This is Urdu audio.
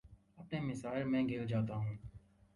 اپنے مسائل میں گھر جاتا ہوں